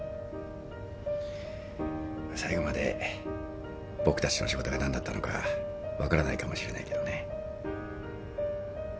最後まで僕たちの仕事が何だったのか分からないかもしれないけどね。